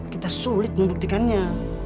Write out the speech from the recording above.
kita sulit membuktikannya